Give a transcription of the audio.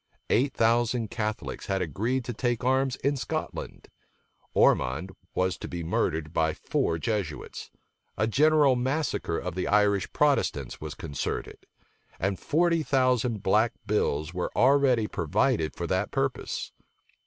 Eight thousand Catholics had agreed to take arms in Scotland. Ormond was to be murdered by four Jesuits; a general massacre of the Irish Protestants was concerted; and forty thousand black bills were already provided for that purpose.